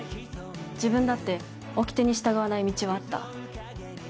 自分だっておきてに従わない道はあった。